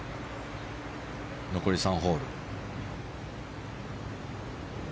残り３ホール。